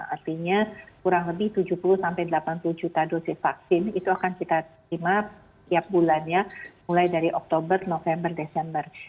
artinya kurang lebih tujuh puluh sampai delapan puluh juta dosis vaksin itu akan kita terima tiap bulannya mulai dari oktober november desember